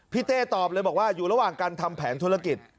เต้ตอบเลยบอกว่าอยู่ระหว่างการทำแผนธุรกิจ